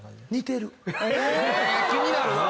気になるなぁ。